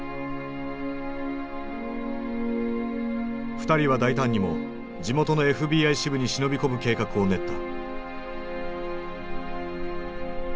２人は大胆にも地元のＦＢＩ支部に忍び込む計画を練った。